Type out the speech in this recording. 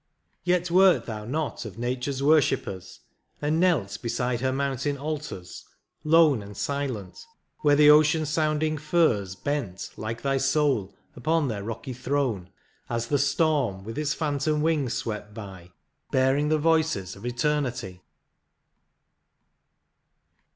Yet, wert thou not of nature s worshippers. And knelt heside her mountain altars:— lone And silent — where the ocean sounding firs Bent (like thy soul) upon their rocky throne, As the storm with its phantom wings swept by. Bearing the voices of Eternity?